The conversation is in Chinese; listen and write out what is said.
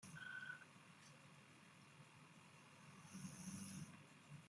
乌干达议会是乌干达的国家立法机关。